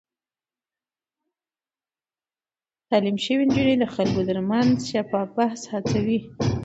تعليم شوې نجونې د خلکو ترمنځ شفاف بحث هڅوي.